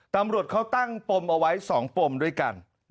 ตำรวจเขาตั้งปมเอาไว้๒ปมด้วยกัน